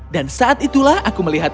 dan saat itulah aku melihat